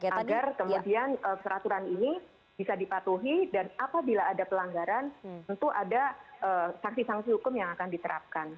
agar kemudian peraturan ini bisa dipatuhi dan apabila ada pelanggaran tentu ada sanksi sanksi hukum yang akan diterapkan